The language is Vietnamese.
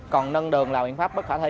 còn nâng đường là biện pháp bất khả thi